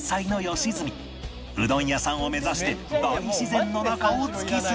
うどん屋さんを目指して大自然の中を突き進む